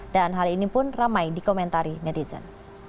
dan hal ini pun ramai di komentari netizen